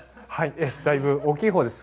だいぶ大きいほうです。